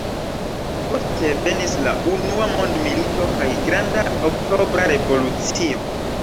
Poste venis la unua mondmilito kaj Granda Oktobra Revolucio.